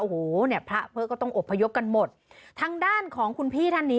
โอ้โหเนี่ยพระพระก็ต้องอบพยพกันหมดทางด้านของคุณพี่ท่านนี้